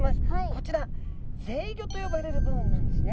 こちらぜいごと呼ばれる部分なんですね